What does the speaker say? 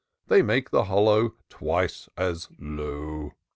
They make the hollow twice as low.